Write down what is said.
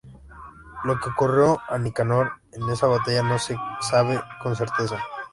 Lo que le ocurrió a Nicanor en esa batalla no se sabe con certeza.